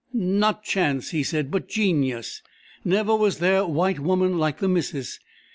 Not chance, he said, but genius! Never was there white woman like the missus!